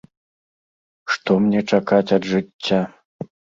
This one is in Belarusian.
Што мне чакаць ад жыцця?